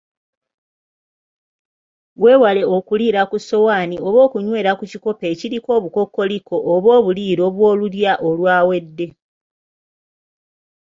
Weewale okuliira ku ssowaani oba okunywera ku kikopo ekiriko obukokkoliko, oba obuliiro bw‘olulya olwawedde.